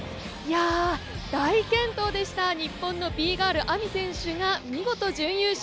大健闘でした、日本のＢ−ＧＩＲＬ・ＡＭＩ選手が見事準優勝。